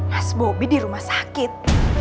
mas bobi di rumah sakit